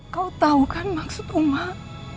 kau tahu kan maksud umat